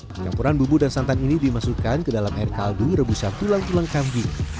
pencampuran bumbu dan santan ini dimasukkan ke dalam air kaldu rebusan tulang tulang kambing